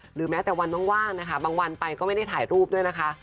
หรือแม้แต่วันว่างนะคะบางวันไปก็ไม่ได้ถ่ายรูปด้วยนะคะ